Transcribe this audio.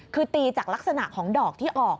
คือตีจากลักษณะของดอกที่ออก